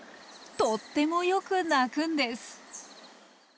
とっても良く鳴くんです。